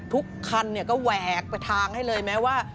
ทุกคันก็แหวกไปทางให้เลยแม้ว่า